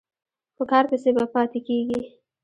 په کار پسې به پاتې کېږې.